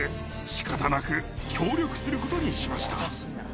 仕方なく協力することにしました。